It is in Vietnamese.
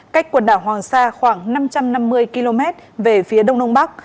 cách quần đảo hoàng sa khoảng năm trăm năm mươi km về phía đông đông bắc